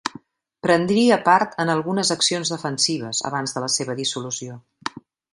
Prendria part en algunes accions defensives, abans de la seva dissolució.